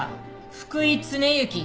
福井常之。